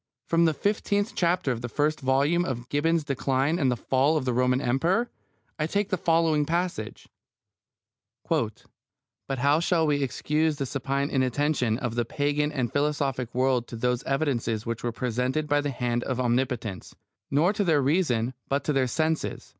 From the fifteenth chapter of the first volume of Gibbon's Decline and Fall of the Roman Empire I take the following passage: But how shall we excuse the supine inattention of the Pagan and philosophic world to those evidences which were presented by the hand of Omnipotence, not to their reason, but to their senses?